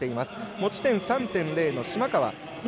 持ち点３．０の島川。